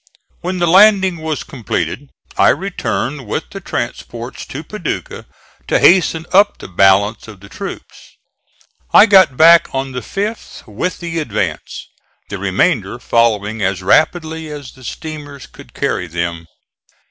When the landing was completed I returned with the transports to Paducah to hasten up the balance of the troops. I got back on the 5th with the advance, the remainder following as rapidly as the steamers could carry them.